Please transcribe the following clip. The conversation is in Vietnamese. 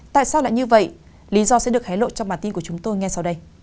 tại sao lại như vậy lý do sẽ được hái lộ trong bản tin của chúng tôi ngay sau đây